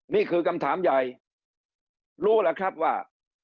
นี่คือคำถามใหญ่รู้แหละครับว่า